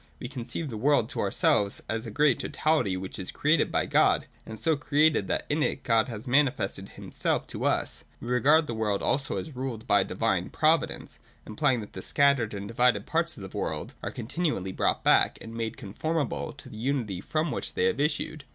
We conceive the world to ourselves as a great totality which is created by God, and so created that in it God has manifested himself to us. We regard the world also as ruled by Divine Providence : implying that the scattered and divided parts of the world are continually brought back, and made conformable, to the unity from which they have issued.